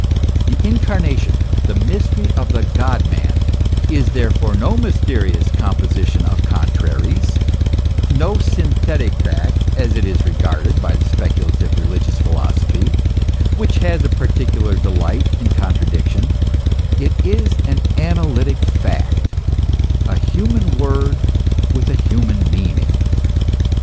The Incarnation, the mystery of the " God man," is therefore no mysterious composition of contraries, no synthetic fact, as it is regarded by the speculative re ligious philosophy, which has a particular delight in con tradiction; it is an analytic fact, a human word with a human meaning.